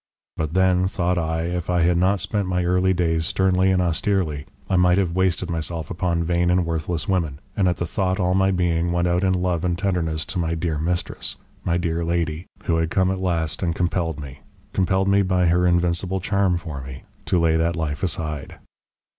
But then, thought I, if I had not spent my early days sternly and austerely, I might have wasted myself upon vain and worthless women, and at the thought all my being went out in love and tenderness to my dear mistress, my dear lady, who had come at last and compelled me compelled me by her invincible charm for me to lay that life aside.